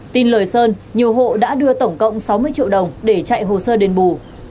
tin lời sân nhiều hộ đã đưa tổng cộng sáu mươi triệu đồng để chạy hồ sơ đềm bù